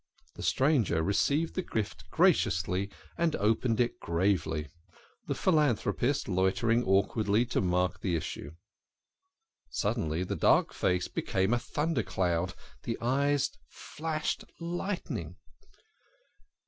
The stranger received the gift graciously, and opened it gravely, the philanthropist loitering awkwardly to mark the issue. Suddenly the dark face became a thunder cloud, the eyes flashed lightning.